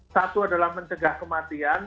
satu adalah mencegah kematian